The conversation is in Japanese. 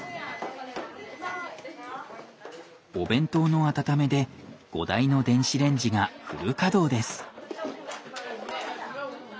お弁当の温めで５台の電子レンジがフル稼働です。